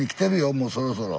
もうそろそろ。